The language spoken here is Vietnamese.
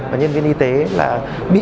và nhân viên y tế là không có gì để làm được